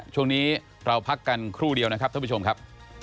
ช่วงนี้เราพักกันครู่เดียวนะครับท่านผู้ชมครับ